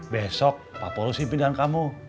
besok papa harus pimpin dengan kamu